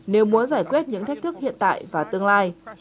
nếu muốn giải quyết những thách thức hiện tại và tương lai